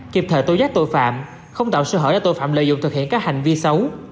kịp thời tô giác tội phạm không tạo sự hở cho tội phạm lợi dụng thực hiện các hành vi xấu